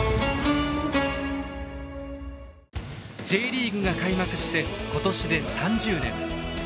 Ｊリーグが開幕して今年で３０年。